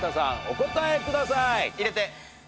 お答えください。